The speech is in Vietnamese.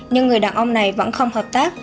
nhưng người đàn ông này vẫn không hợp tác